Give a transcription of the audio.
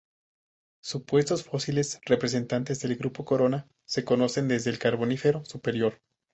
Supuestos fósiles representantes del grupo corona se conocen desde el Carbonífero superior.